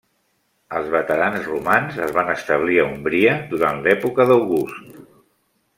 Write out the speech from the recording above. Els veterans romans es van establir a Úmbria durant l'època d'August.